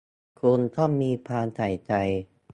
คุณต้องมีความใส่ใจ